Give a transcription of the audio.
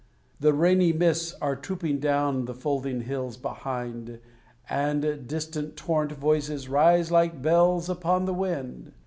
The rainy mists are trooping down the folding hills behind, And distant torrent voices rise like bells upon the wind.